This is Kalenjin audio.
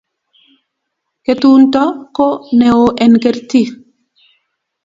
ketunyto ko neoen kertii